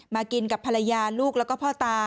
มากินกับภรรกิรุคลูกแล้วก็พ่อตา